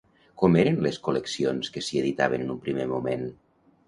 Com eren les col·leccions que s'hi editaven en un primer moment?